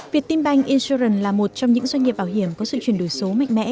việt tim bank insurance là một trong những doanh nghiệp bảo hiểm có sự chuyển đổi số mạnh mẽ